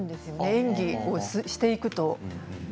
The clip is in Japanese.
演技をしていくと。